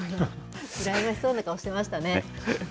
羨ましそうな顔してましたね。